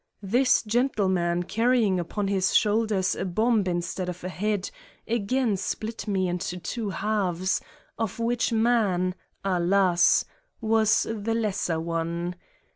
This gentle man carrying upon his shoulders a bomb instead of a head again split me into two halves, of which man, alas, was the lesser one.